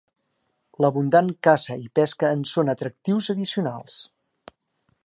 L'abundant caça i pesca en són atractius addicionals.